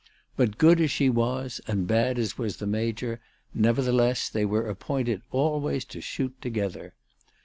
But good as she was and bad as was the Major, never theless they were appointed always to shoot together.